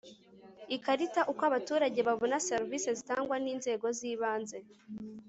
Ikarita Uko abaturage babona serivisi zitangwa n inzego z ibanze